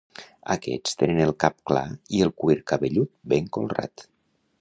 Aquests tenen el cap clar i el cuir cabellut ben colrat.